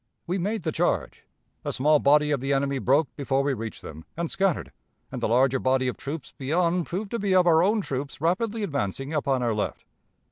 "We made the charge; a small body of the enemy broke before we reached them, and scattered, and the larger body of troops beyond proved to be of our own troops rapidly advancing upon our left....